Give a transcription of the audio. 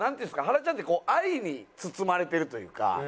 はらちゃんって愛に包まれてるというか。